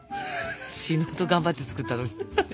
死ぬほど頑張って作ったのに。